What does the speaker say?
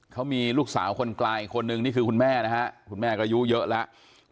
เขามีลูกสาวคนกลางอีกคนนึงนี่คือคุณแม่นะฮะคุณแม่ก็อายุเยอะแล้ว